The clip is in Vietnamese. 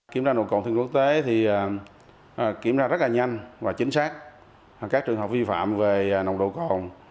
kiểm tra nồng độ cồn theo kinh nghiệm quốc tế thì kiểm tra rất là nhanh và chính xác các trường hợp vi phạm về nồng độ cồn